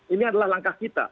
ini adalah langkah kita